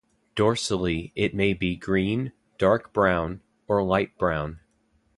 Dorsally, it may be green, dark brown, or light brown.